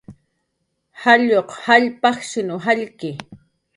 Jalluq jall pajshinw jallki